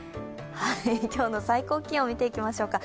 今日の最高気温を見ていきましょうか。